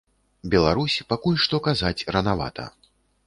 Беларусь, пакуль што казаць ранавата.